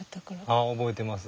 ああ覚えてます。